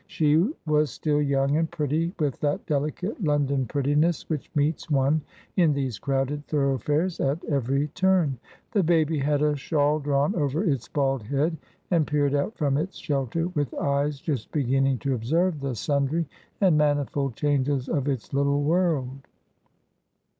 She was still young and pretty, with that delicate London prettiness which meets one in these crowded thoroughfares at every turn. The baby had a shawl drawn over its bald head, and peered out from its shelter with eyes just beginning to observe the sundry and manifold changes of its little world.